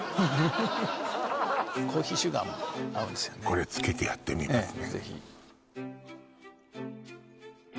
これつけてやってみるわね